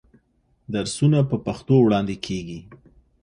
درسونه په پښتو وړاندې کېږي.